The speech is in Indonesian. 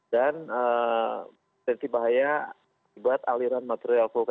dan potensi bahaya dibuat aliran material